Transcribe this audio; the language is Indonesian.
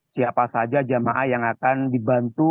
siapa saja jamaah yang akan dibantu